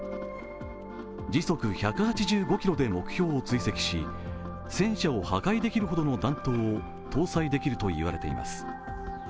時速１８５キロで目標を追跡し戦車を破壊できるほどの弾頭を搭載できるといわれています。